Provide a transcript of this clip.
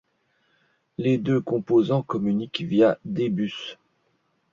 Ces deux composants communiquent via D-Bus.